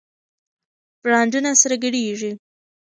برانډونه سره ګډېږي.